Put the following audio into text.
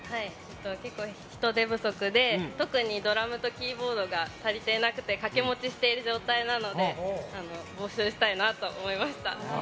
結構人手不足で特にドラムとキーボードが足りていなくて掛け持ちしている状況なので募集したいなと思いました。